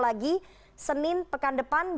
lagi senin pekan depan